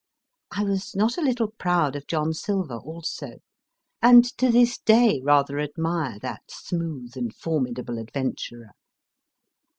I was not a little proud of John Silver, also ; and to this day rather admire that smooth and formidable adventurer.